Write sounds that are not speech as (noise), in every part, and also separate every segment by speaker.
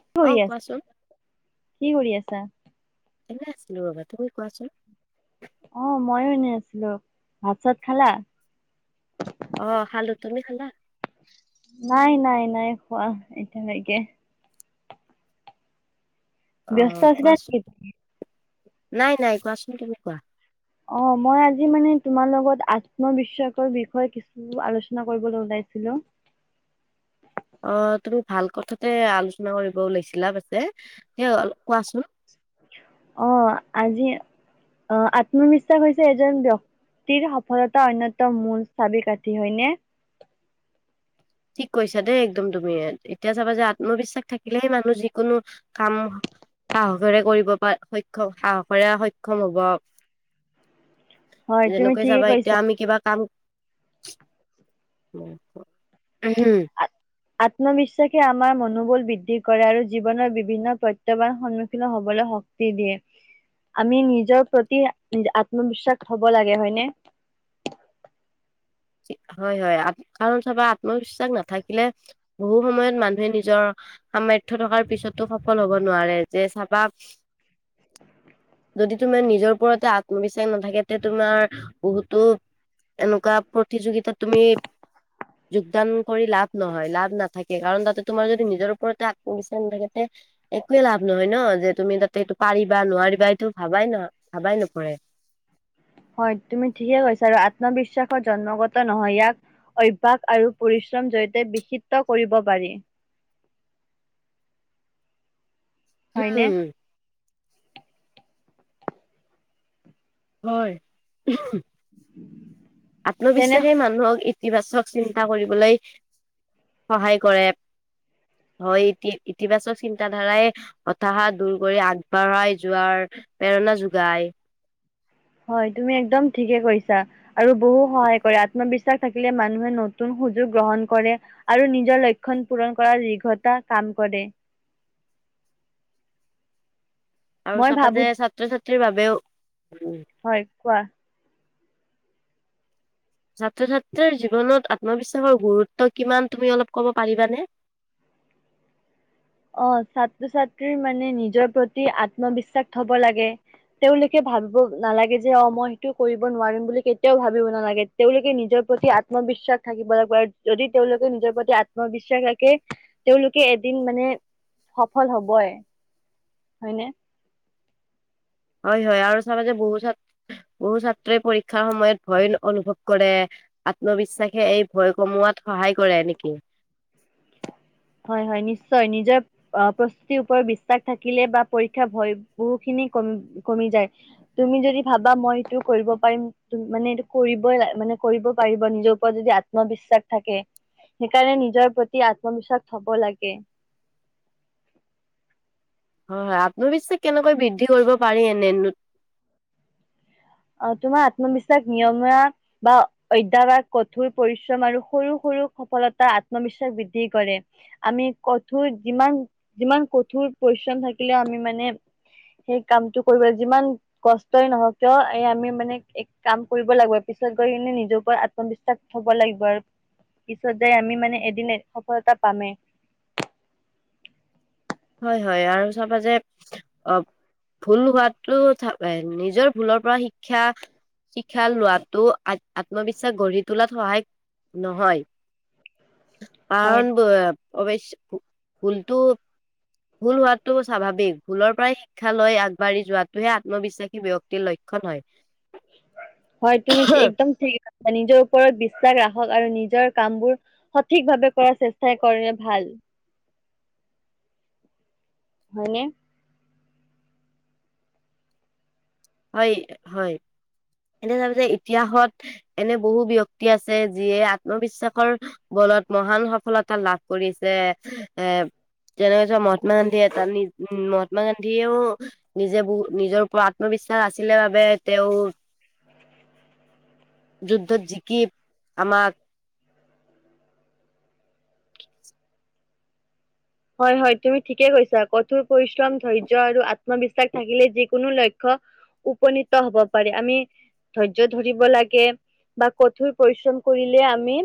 Speaker 1: কি
Speaker 2: অ
Speaker 1: কৰি আছ
Speaker 2: কোৱাচোন
Speaker 1: কি কৰি আছ (unintelligible)
Speaker 2: এনে আছিলো ৰবা তুমি কোৱাচোন।
Speaker 1: অ', মইও এনে আছিলো। ভাত চাত খালা?
Speaker 2: অ', খালো, তুমি খালা?
Speaker 1: নাই, নাই, নাই খোৱা এতিয়ালৈকে।
Speaker 2: অ
Speaker 1: ব্যস্ত আছিলা
Speaker 2: কোৱাচোন
Speaker 1: নেকি?
Speaker 2: নাই, নাই, কোৱাচোন তুমি কোৱা।
Speaker 1: অ মই আজি মানে তোমাৰ লগত আত্মবিশ্বাসৰ বিষয়ে কিছু আলোচনা কৰিবলৈ ওলাইছিলো।
Speaker 2: অ, তুমি ভাল কথাতে আলোচনা কৰিব উলাইছিলা সেই অলপ কোৱাচোন।
Speaker 1: অঁ, আজি আহ আত্মবিশ্বাস হৈছে এজন ব্যক্তিৰ সফলতা অন্যতম মূল চাবি কাঠি, হয়নে?
Speaker 2: ঠিক কৈছা দেই একদম তুমি এতিয়া চাবা যে আত্মবিশ্বাস থাকিলেহে মানুহ যিকোনো কাম সাহসেৰে কৰিব প সক্ষম সাহসেৰে সক্ষম হব।
Speaker 1: হয় তুমি
Speaker 2: যেনেকৈ
Speaker 1: ঠিকে
Speaker 2: চাবা
Speaker 1: কৈছা
Speaker 2: এতিয়া আমি কিবা কাম (unintelligible)
Speaker 1: আ-
Speaker 2: (unintelligible)
Speaker 1: আত্মবিশ্বাসে আমাৰ মনোবল বৃদ্ধি কৰে আৰু জীৱনৰ বিভিন্ন প্ৰত্যাহ্বান সন্মুখীন হবলৈ শক্তি দিয়ে। আমি নিজৰ প্ৰতি আত্মবিশ্বাস হব লাগে, হয়নে?
Speaker 2: হয়, হয়, আৰু চাবা আত্মবিশ্বাস নাথাকিলে বহু সময়ত মানুহে নিজৰ সামৰ্থয় থকাৰ পিছতো সফল হব নোৱাৰে। যে চাবা যদি তোমাৰ নিজৰ ওপৰতে আত্মবিশ্বাস নাথাকে তে তোমাৰ বহুতো এনেকুৱা প্ৰতিযোগিতাত তুমি যোগদান কৰি লাভ নহয়, লাভ নাথাকে। কাৰণ তাতে তোমাৰ যদি নিজৰ ওপৰতে আত্মবিশ্বাস নাথাকেতে একোৱে লাভ নহয় ন। যে তুমি তাতে এইটো পাৰিবা, নোৱাৰিবা এইটো ভাবাই নহয়।
Speaker 1: হয়, তুমি ঠিকে কৈছা আৰু আ আত্মবিশ্বাসৰ জন্মগত নহয়, ইয়াক অভ্যাস আৰু পৰিশ্ৰম জড়িয়তে বিষিত কৰিব পাৰি। হয়নে?
Speaker 2: (unintelligible) হয়।
Speaker 1: তেনে
Speaker 2: আত্মবিশ্বাসে মানুহক ই (unintelligible) চিন্তা কৰিবলৈ সহায় কৰে হয়, ইতি, ইতিবাচক চিন্তাধাৰাই হতাশা দূৰ কৰি আগবঢ়াই যোৱাৰ প্ৰেৰণা যোগায়।
Speaker 1: হয়, তুমি একদম ঠিকে কৈছা আৰু বহু সহায় কৰে আত্মবিশ্বাস থাকিলে মানুহে নতুন সুযোগ গ্ৰহণ কৰে আৰু নিজৰ লক্ষণ পূৰণ কৰাৰ দীৰ্ঘতা কাম কৰে।
Speaker 2: আৰু
Speaker 1: মই
Speaker 2: চাবা
Speaker 1: ভাবো
Speaker 2: যে, ছাত্ৰ ছাত্ৰীৰ বাবেও
Speaker 1: হয় কোৱা
Speaker 2: ছাত্ৰ ছাত্ৰীৰ জীৱনত আত্মবিশ্বাসৰ গুৰুত্ব কিমান, তুমি অলপ ক'ব পাৰিবানে?
Speaker 1: অ', ছাত্ৰ ছাত্ৰীৰ মানে নিজৰ প্ৰতি আত্মবিশ্বাস হ'ব লাগে, তেওঁলোকে ভাবিব নালাগে যে, অ', মই সেইটো কৰিব নোৱাৰিম বুলি কেতিয়াও ভাবিব নালাগে তেওঁলোকে নিজৰ প্ৰতি আত্মবিশ্বাস থাকিব লাগিব আৰু যদি তেওঁলোকে নিজৰ প্ৰতি আত্মবিশ্বাস ৰাখে তেওঁলোকে এদিন মানে সফল হ'বই, হয়নে?
Speaker 2: হয়, হয় আৰু চাবা যে, বহু ছাত্ৰ বহু ছাত্ৰই পৰীক্ষাৰ সময়ত ভয় অনুভৱ কৰে, আত্মবিশ্বাসে এই ভয় কমোৱাত সহায় কৰে নেকি?
Speaker 1: হয়, হয় নিশ্চয় নিজৰ প্ৰস্তুতিৰ ওপৰত বিশ্বাস থাকিলে বা পৰীক্ষা ভয় বহু খিনি কমি, কমি যায় তুমি যদি ভাবা মই এইটো কৰিব পাৰিম মানে এইটো কৰিবই মানে কৰিব পাৰিব নিজৰ ওপৰত যদি আত্মবিশ্বাস থাকে সেইকাৰণে নিজৰ প্ৰতি আত্মবিশ্বাস থ'ব লাগে।
Speaker 2: হয়, হয় আত্মবিশ্বাস কেনেকৈ বৃদ্ধি কৰিব পাৰি? এনে
Speaker 1: আ, তোমাৰ আত্মবিশ্বাস নিয়মীয়া বা অধ্যাৱসায়, কঠোৰ পৰিশ্ৰম আৰু সৰু, সৰু সফলতা আত্মবিশ্বাস বৃদ্ধি কৰে, আমি কঠোৰ যিমান, যিমান কঠোৰ পৰিশ্ৰম থাকিলেও আমি মানে সেই কামটো কৰিব যিমান কষ্টই নহও কিয় এই আমি মানে এক কাম কৰিব লাগিব পিছত গৈ কিনে নিজৰ ওপৰত আত্মবিশ্বাস থব লাগিব আৰু পিছত যায় আমি মানে এদিন সফলতা পামেই।
Speaker 2: হয় হয় আৰু চাবা যে আ, ভুল হোৱাটো নিজৰ ভুলৰ পৰা শিক্ষা শিক্ষা লোৱাটো আত্মবিশ্বাস গঢ়ি তোলাত সহায় নহয়।
Speaker 1: হয়
Speaker 2: কাৰণ ব অৱশ্য ভুলটো ভুল হোৱাটো স্বাভাৱিক ভুলৰ পৰাই শিক্ষা লৈ আগবাঢ়ি যোৱাটোহে আত্মবিশ্বাসী ব্যক্তিৰ লক্ষণ হয়।
Speaker 1: হয় তুমি কি একদম ঠিক কৈছা নিজৰ ওপৰত বিশ্বাস ৰাখা হয় আৰু নিজৰ কামবোৰ সঠিক ভাৱে কৰাৰ চেষ্টাই কৰে ভাল। হয়নে?
Speaker 2: হয়-হয় এনে তাপি যে ইতিহাসত এনে বহু ব্যক্তি আছে যিয়ে আত্মবিশ্বাসৰ বলত মহান সফলতা লাভ কৰিছে। এ তেনে হৈছে মহাত্মা গান্ধী এটা মহাত্মা গান্ধীয়েও নিজে বহু নিজৰ ওপত আত্মবিশ্বাস। আছিলে বাবে তেওঁ। যুদ্ধত জিকি আমাক
Speaker 1: হয়, হয় তুমি ঠিকে কৈছা, কঠোৰ পৰিশ্ৰম ধৈৰ্য আৰু আত্মবিশ্বাস থাকিলে যিকোনো লক্ষ্য উপনীত হব পাৰে। আমি ধৈৰ্য ধৰিব লাগে বা কঠোৰ পৰিশ্ৰম কৰিলে আমি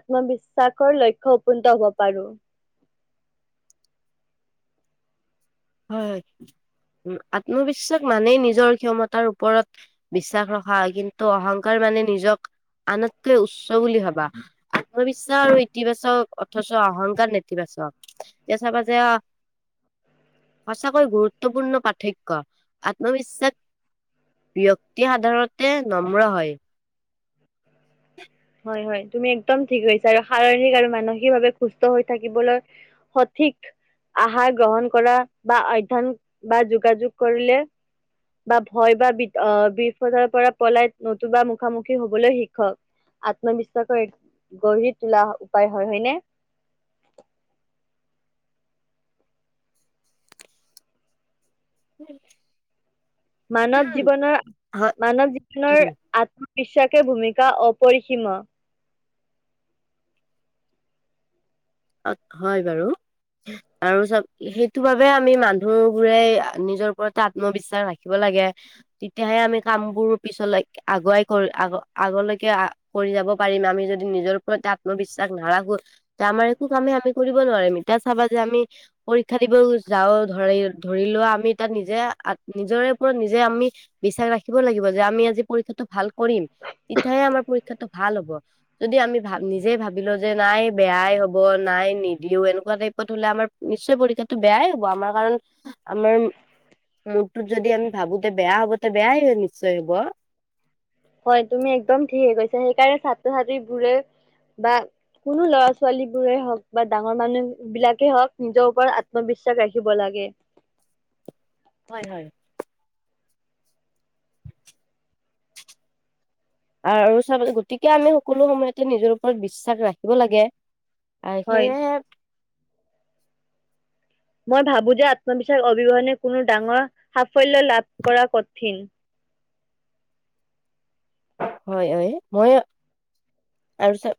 Speaker 1: আত্মবিশ্বাসৰ লক্ষ্য উপনীত হব পাৰো।
Speaker 2: হয়-হয় আত্মবিশ্বাস মানেই নিজৰ ক্ষমতাৰ ওপৰত বিশ্বাস ৰখা হয়। কিন্তু অহংকাৰ মানে নিজক আনতকৈ উচ্চ বুলি ভাবা। আত্মবিশ্বাস আৰু ইতিবাচক অথচ অহংকাৰ নেতিবাচক এতিয়া চাবা যে। সঁচাকৈ গুৰুত্বপূৰ্ণ পাৰ্থক্য, আত্মবিশ্বাস ব্যক্তি সাধাৰণতে নম্ৰ হয়।
Speaker 1: হয়-হয় তুমি একদম ঠিক কৈছা। আৰু শাৰীৰিক আৰু মানসিকভাৱে সুস্থ হৈ থাকিবলৈ সঠিক আহাৰ গ্ৰহণ কৰা বা অধ্যায় বা যোগাযোগ কৰিলে বা ভয় বা বি-বিপদৰ পৰা পলাই নতুবা মুখামুখি হবলৈ শিকক। আত্মবিশ্বাসৰ গঢ়ি তোলা উপায় হয়, হয়নে?
Speaker 2: (inaudible)
Speaker 1: মানৱ জীৱনৰ, মানৱ জীৱনৰ আত্মা বিশ্বাসে ভূমিকা অপৰিসীম
Speaker 2: হয় বাৰু আৰু চব সেইটো বাবে আমি মানুহ বোৰে নিজৰ ওপৰতে আত্মবিশ্বাস ৰাখিব লাগে। তেতিয়াহে আমি কামবোৰ পিছলৈ আগুৱাই আগ আগলৈকে কৰি যাব পাৰিম আমি যদি নিজৰ ওপৰত আত্মবিশ্বাস নাৰাখো তে আমাৰ। কোনো কামে আমি কৰিব নোৱাৰিম, এতিয়া চাবা যে আমি পৰীক্ষা দিব যাওঁ ধৰি ধৰি লোৱা আমি তাত নিজে নিজৰে ওপৰত নিজে আমি বিশ্বাস ৰাখিব লাগিব। যে আমি আজি পৰীক্ষাটো ভাল কৰিম, তেতিয়াহে আমাৰ পৰীক্ষাটো ভাল হব যদি আমি ভা ভাবিলো যে নাই বেয়াই হ'ব। নাই নিদিও এনেকুৱা টাইপত হলে আমাৰ নিশ্চয় পৰীক্ষাতটো বেয়াই হব। আমাৰ কাৰণ আমাৰ মুডটোত যদি আমি ভাবো তে বেয়া হব তে বেয়াই নিশ্চয় হব।
Speaker 1: হয় তুমি একদম ঠিকে কৈছা। সেইকাৰণে ছাত্ৰ-ছাত্ৰীবোৰে বা কোনো লৰা, ছোৱালী বোৰে হওক বা ডাঙৰ মানুহ বিলাকেই হওক নিজৰ ওপৰত আত্মবিশ্বাস ৰাখিব লাগে।
Speaker 2: হয়-হয়। (inaudible) আৰু গতিকে আমি সকলো সময়তে নিজৰ ওপৰত বিশ্বাস ৰাখিব লাগে। আৰু
Speaker 1: হয়
Speaker 2: সেয়হে।
Speaker 1: মই ভাবো যে আত্মবিশ্বাস অৱিহনে কোনো ডাঙৰ সাফল্য লাভ কৰা কঠিন।
Speaker 2: হয় হয় মই আৰু চ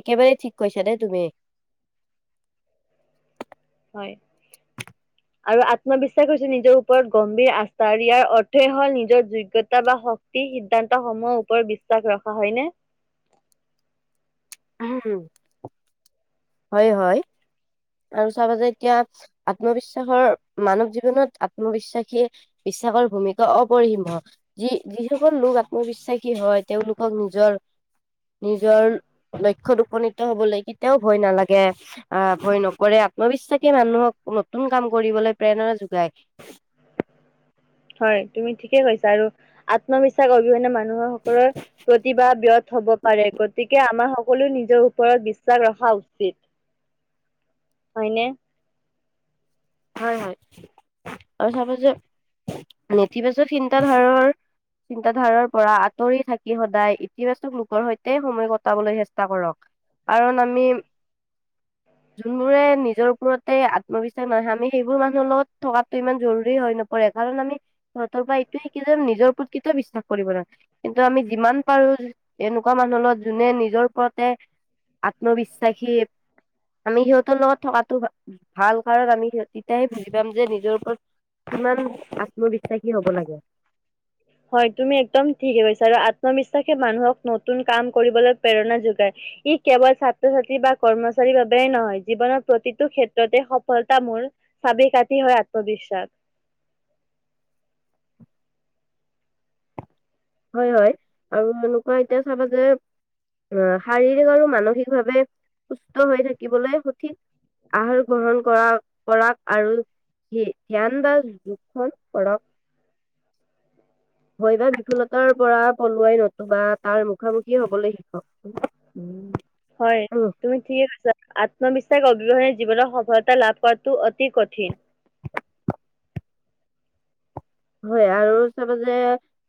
Speaker 2: একেবাৰেই ঠিক কৈছা দেই তুমি।
Speaker 1: হয় আৰু আত্মবিশ্বাস হৈছে নিজৰ ওপৰত গম্ভীৰ আস্থা আৰু ইয়াৰ অৰ্থই হল নিজৰ যোগ্যতা বা শক্তি সিদ্ধান্ত সময় ওপৰত বিশ্বাস ৰখা হয়নে।
Speaker 2: হয় হয়। আৰু চাব যে এতিয়া আত্মবিশ্বাসৰ মানৱ জীৱনত আত্মবিশ্বাসী বিশ্বাসৰ ভূমিকা অপৰিসীম্ যি যিসকল লোক আত্মবিশ্বাসী হয় তেওঁলোকক নিজৰ নিজৰ লক্ষ্য়ত উপনীত হবলৈ কেতিয়াও ভয় নালাগে আহ ভয় ন কৰে আত্মবিশ্বাসে মানুহক নতুন কাম কৰিবলৈ প্ৰেৰণা যোগায়।
Speaker 1: হয় তুমি ঠিকে কৈছা আৰু আত্মবিশ্বাস অবিহনে মানুহৰ সকলৰ প্ৰতিভা ব্যথ হব পাৰে। গতিকে আমাৰ সকলো নিজৰ ওপৰত বিশ্বাস ৰখা উচিত হয়নে
Speaker 2: হয় হয় আৰু নেতিবাচক চিন্তাধাৰাৰ চিন্তাধাৰাৰ পৰা আঁতৰি থাকি সদায় ইতিবাচক লোকৰ সৈতে সময় কটাবলৈ চেষ্টা কৰক কাৰণ আমি যোনবোৰে নিজৰ ওপৰতে আত্মবিশ্বাস না আমি সেইবোৰ মানুহৰ লগত থকাতটো ইমান জৰুৰী হৈ নপৰে কাৰণ আমি সিহতৰ পৰা এইটোয়ে শিকো যে নিজৰ ওপৰত কেতিয়াও বিশ্বাস কৰিব আমি যিমান পাৰো এনেকুৱা মানুহৰ লগত যোনে নিজৰ ওপৰতে আত্মবিশ্বাসী আমি সিহঁতৰ লগত থকাতো ভাল কাৰণ আমি সিহ তেতিহে বুজি পাম যে নিজৰ ওপৰত কিমান আত্মবিশ্বাসী হব লাগে (inaudible)
Speaker 1: হয় তুমি একদম ঠিকে কৈছা আৰু আত্মবিশ্বাসে মানুহক নতুন কাম কৰিবলৈ প্ৰেৰণা যোগায়। ই কেৱল ছাত্ৰ ছাত্ৰী বা কৰ্মচাৰীৰ বাবে নহয় জীৱনৰ প্ৰতিটো ক্ষেত্ৰতে সফলতা মোৰ চাবি কাঠি হয় আত্মবিশ্বাস (inaudible)
Speaker 2: হয় হয়। আৰু এনেকুৱা এতিয়া চাবা যে আহ শাৰীৰিক আৰু মানসিক ভাৱে সুস্থ হৈ থাকিবলৈ সঠিক আহাৰ গ্ৰহণ কৰা কৰা আৰু ধ্যান বা যোখখন কৰ হৈ বা বিফুলত- তাৰ পৰা পলুৱাই নতো বা তাৰ মুখামুখি হবলৈ শিকক
Speaker 1: হয় তুমি ঠিকে কৈছা আত্মবিশ্বাস বিহ জীৱনৰত সফলতা লাভ কৰা অতি কঠিন।
Speaker 2: হয় আৰু চাবা যে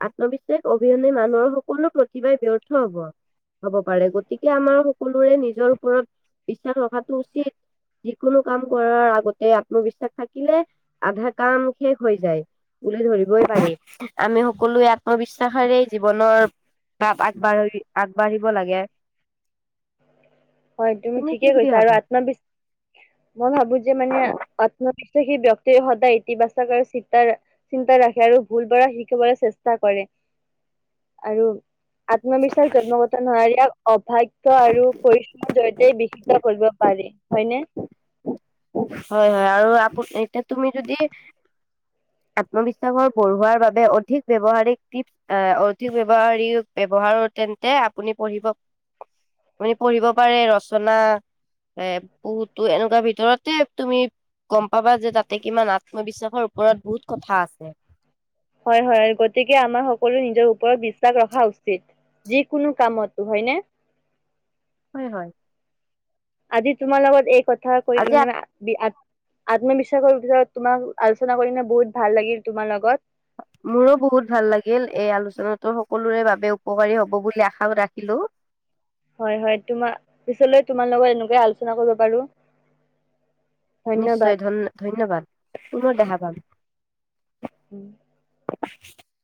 Speaker 2: আত্মবিশ্বাস অবিহনে মানুহৰ সকলো প্ৰতিভাই ব্যৰ্থ হব হব পাৰে। গতিকে আমাৰ সকলোৰে নিজৰ ওপৰত বিশ্বাস ৰখটো উচিত যিকোনো কাম কৰাৰ আগতে আত্মবিশ্বাস থাকিলে আধা কাম শেষ হৈ যায় বুলি ধৰিবই পাৰি আমি সকলোৱে আত্মবিশ্বাসৰে জীৱনৰাপ আগবাঢ় আগবাঢ়িব লাগে (inaudible)
Speaker 1: হয় তুমি
Speaker 2: কি
Speaker 1: ঠিকেই
Speaker 2: বুলি
Speaker 1: কৈছা আৰু
Speaker 2: ভাবা
Speaker 1: আত্মবিশ্ব মই ভাবো যে মানে আত্ম (unintelligible) ব্যক্তিয়ে সদায় ইতিবাচক আৰু চিন্তা চিন্তা ৰাখে আৰু ভুল পৰা শিকিবলৈ চেষ্টা কৰে (inaudible) আৰু আত্মবিশ্বাস জন্মগত নোৱাৰীয়া অভাগ্য আৰু পৰি জৰিতেই বিশিকা কৰিব পাৰি হয়নে
Speaker 2: (unintelligible) হয় হয় আৰু আপু এতিয়া তুমি যদি আত্মবিশ্বাসৰ বঢ়োৱাৰ বাবে অধিক ব্যৱহাৰিক টিপ আহ অধিক ব্যৱহাৰিক ব্যৱহাৰ তেন্তে আপুনি পঢ়িব আপনি পঢ়িব পাৰে ৰচনা এ বহুতো এনেকুৱা ভিতৰত তুমি গম পাবা যে তাতে কিমান আত্মবিশ্বাসৰ ওপৰত বহুত কথা আছে
Speaker 1: হয় হয় গতিকে আমাৰ সকলো নিজৰ ওপৰত বিশ্বাস ৰখা উচিত যিকোনো কামত হয় ন
Speaker 2: হয় হয়
Speaker 1: আজি তুমাল লগত এই ক (unintelligible) কৰি
Speaker 2: আজি
Speaker 1: উ আত্মবিশ্বাসৰ ভিতৰত তোমাক আলোচনা কৰি হেনে বহুত ভাল লাগিল তোমাৰ লগত
Speaker 2: মোৰো বহুত ভাল লাগিল এই আলোচনাটো সকলোৰে বাবে উপকাৰী হ'ব বুলি আশা ৰাখিলোঁ
Speaker 1: হয় হয় তোমাৰ পিছলৈ তোমাৰ লগত এনেকুৱাই আলোচনা কৰিব পাৰো
Speaker 2: নিশ্চয়
Speaker 1: ধন্যবাদ।
Speaker 2: ধন্য ধন্যবাদ পুনৰ দেহা ভাল
Speaker 1: উম
Speaker 2: (unintelligible)